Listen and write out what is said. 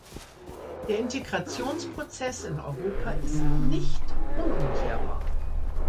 Der Integrationsprozess in Europa ist nicht unumkehrbar.